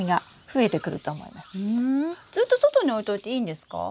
ずっと外に置いといていいんですか？